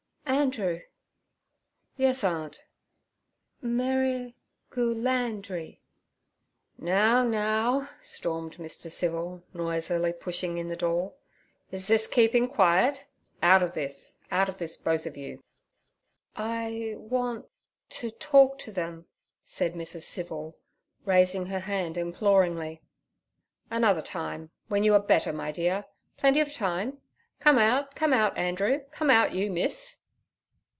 'Andrew!' 'Yes, aunt.' 'Merri—gu—lan—dri.' 'Now, now' stormed Mr. Civil, noisily pushing in the door. 'Is this keeping quiet? Out of this, out of this, both of you.' 'I—want—to—talk—to them' said Mrs. Civil, raising her hand imploringly. 'Another time, when you are better, my dear; plenty of time. Come out—come out, Andrew; come out, you, miss.'